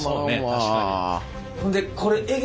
確かに。